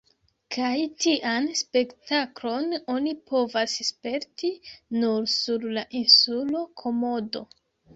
Kaj tian spektaklon oni povas sperti nur sur la insulo Komodo.